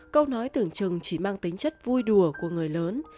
câu nói tưởng chừng chỉ mang tính chất vui đùa của người lớn